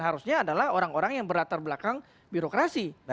harusnya adalah orang orang yang berlatar belakang birokrasi